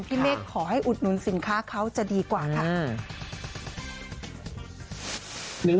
เมฆขอให้อุดหนุนสินค้าเขาจะดีกว่าค่ะ